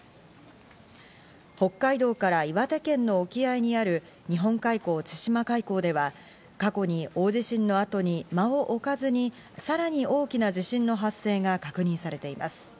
北海道から岩手県の沖合にある日本海溝・千島海溝では、過去に大地震の後に間をおかずに、さらに大きな地震の発生が確認されています。